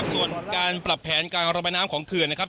ส่วนการปรับแผนการระบายน้ำของเขื่อนนะครับ